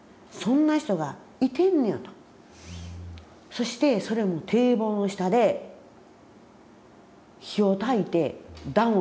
そしてそれも堤防の下で火をたいて暖をとっている。